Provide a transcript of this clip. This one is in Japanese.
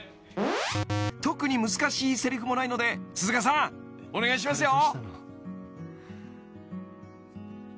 ［特に難しいせりふもないので鈴鹿さんお願いしますよ］